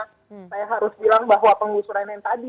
karena saya harus bilang bahwa pengusuran yang tadi